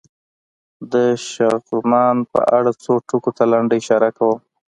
د شغنان په اړه څو ټکو ته لنډه اشاره کوم.